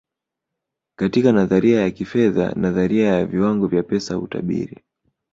katika nadharia ya kifedha nadharia ya viwango vya pesa hutabiri